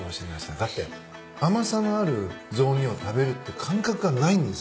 だって甘さのある雑煮を食べるって感覚がないんです。